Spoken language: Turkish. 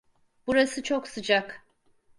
Burası çok sıcak.